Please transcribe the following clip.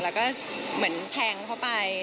แล้วก็เหมือนแทงเข้าไป